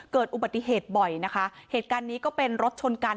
เกิดอุบัติเหตุบ่อยนะคะเหตุการณ์นี้ก็เป็นรถชนกัน